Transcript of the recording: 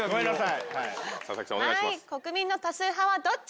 国民の多数派はどっち？